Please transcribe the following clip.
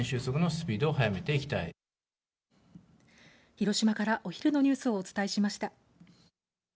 広島からお昼のニュースをお伝えしました。